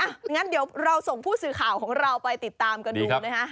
งั้นเดี๋ยวเราส่งผู้สื่อข่าวของเราไปติดตามกันดูนะฮะ